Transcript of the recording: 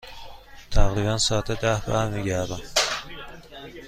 تقریبا ساعت ده برمی گردم.